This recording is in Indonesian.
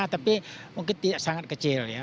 tapi mungkin tidak sangat kecil